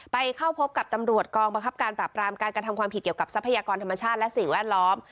ไปเข้าพบกับตำรวจกองบังคับการปราบรามการกระทำความผิดเกี่ยวกับทรัพยากรธรรมชาติและสิ่งแวดล้อม